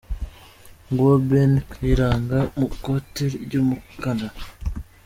Nguwo Ben Kayiranga mu ikote ry'umukara.